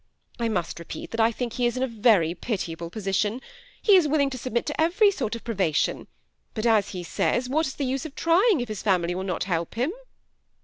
I must repeat that I think he is in a very pitiable position He is willing to submit to every sort of privation ; but, as he says, what is the use of trying if his family will not help him?"